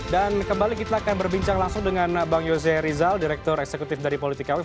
dan kembali kita akan berbincang langsung dengan bang yose rizal direktur eksekutif dari politika wif